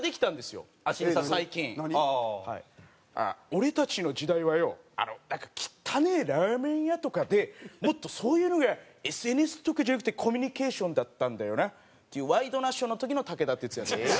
「俺たちの時代はよなんか汚えラーメン屋とかでもっとそういうのがＳＮＳとかじゃなくてコミュニケーションだったんだよな」っていう『ワイドナショー』の時の武田鉄矢さんですはい。